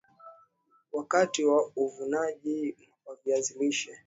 Wakati wa uvunaji wa viazi lishe